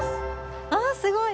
あすごい！